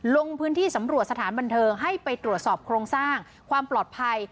ลงพื้นที่สำรวจสถานบันเทิงให้ไปตรวจสอบโครงสร้างความปลอดภัย